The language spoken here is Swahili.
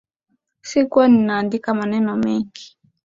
Sikuwa ninaandika maneno mengi